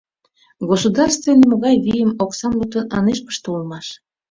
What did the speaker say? Государстве нимогай вийым, оксам луктын ынеж пыште улмаш.